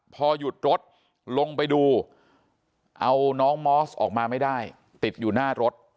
พอหยุดรถลงไปดูเอาน้องมอสออกมาไม่ได้ติดอยู่หน้ารถ